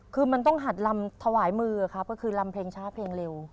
คือมันต้องหัดลำถวายมือครับก็คือลำเพลงช้าเพลงเร็ว